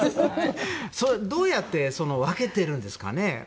どうやって分けてるんですかね？